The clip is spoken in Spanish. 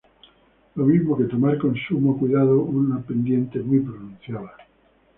Lo mismo que tomar con sumo cuidado una pendiente muy pronunciada.